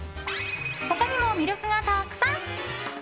他にも魅力がたくさん！